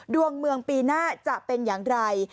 ดวงเมืองปีหน้าจะเป็นอย่างไร